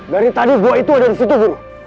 dari tadi gua itu ada disitu buru